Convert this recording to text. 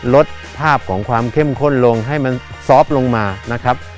ลดภาพของความเข้มข้นลงให้มันซอฟต์ลงมานะครับ